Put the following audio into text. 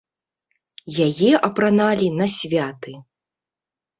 Яе апраналі на святы.